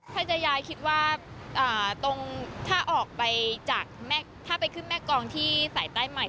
พัฒนายายคิดว่าถ้าไปขึ้นแมร์กรองที่ตลาดใต้ใหม่